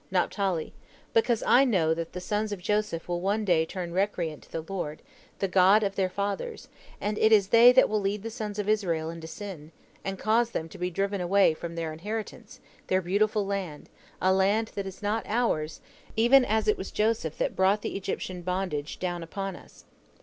Naphtali: "Because I know that the sons of Joseph will one day turn recreant to the Lord, the God of their fathers, and it is they that will lead the sons of Israel into sin, and cause them to be driven away from their inheritance, their beautiful land, to a land that is not ours, even as it was Joseph that brought the Egyptian bondage down upon us.